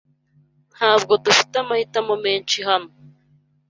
Ntabwo dufite amahitamo menshi hano.